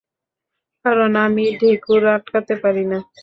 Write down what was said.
কারণ আমি ঢেকুড় আটকাতে পারি না।